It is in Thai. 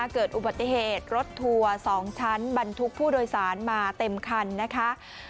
เกิดอุบัติเหตุรถทัวร์๒ชั้นบรรทุกผู้โดยสารมาเต็มคันนะคะ